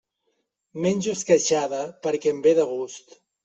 Menjo esqueixada perquè em ve de gust.